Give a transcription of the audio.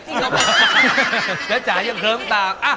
มอบดาวน์ให้นิกี้หนึ่งดวง